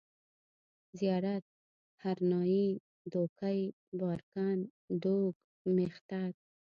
زيارت، هرنايي، دوکۍ، بارکن، دوگ، مېختر